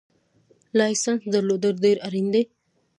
لایسنس درلودل ډېر اړین دي